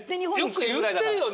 よく言ってるよね。